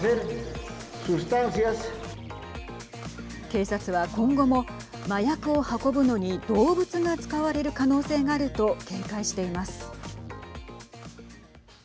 警察は、今後も麻薬を運ぶのに動物が使われる可能性があると警戒しています。